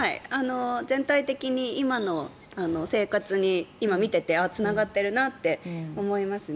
全体的に今の生活に今見ていてつながってるなって思いますね。